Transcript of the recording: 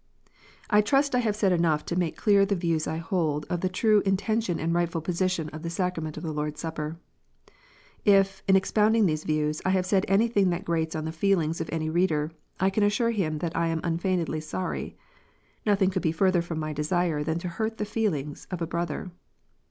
I trust I have said enough to make clear the views I hold of the true intention and rightful position of the sacrament of the Lord s Supper. If, in expounding these views, I have said anything that grates on the feelings of any reader, I can assure him that I am unfeignedly sorry. Xothing could be further from my desire than to hurt the feelings of a brother.